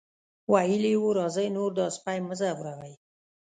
ویلي یې وو راځئ نور دا سپی مه ځوروئ.